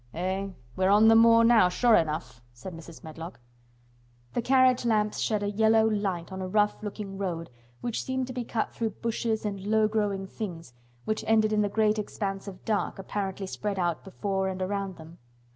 "Eh! We're on the moor now sure enough," said Mrs. Medlock. The carriage lamps shed a yellow light on a rough looking road which seemed to be cut through bushes and low growing things which ended in the great expanse of dark apparently spread out before and around them.